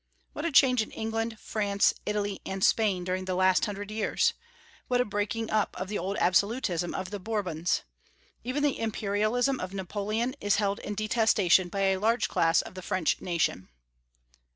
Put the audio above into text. What a change in England, France, Italy, and Spain during the last hundred years! what a breaking up of the old absolutism of the Bourbons! Even the imperialism of Napoleon is held in detestation by a large class of the French nation.